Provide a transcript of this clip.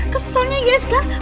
keselnya ya sekarang